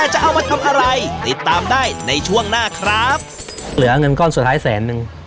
เหลือเงินก้อนสุดท้ายแสนนึง